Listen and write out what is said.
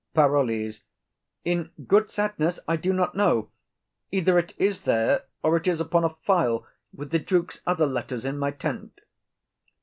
PAROLLES. In good sadness, I do not know; either it is there or it is upon a file, with the duke's other letters, in my tent.